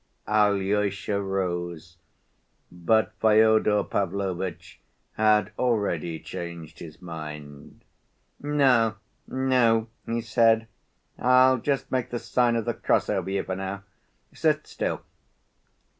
Alyosha rose, but Fyodor Pavlovitch had already changed his mind. "No, no," he said. "I'll just make the sign of the cross over you, for now. Sit still.